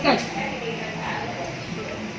তাদের ভ্রান্ত ধারণাকে রক্ষা করতে।